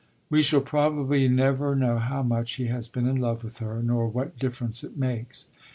"We shall probably never know how much he has been in love with her, nor what difference it makes.